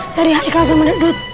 cari haikal sama duduk